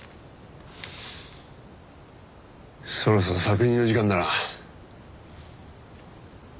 そろそろ搾乳の時間だな。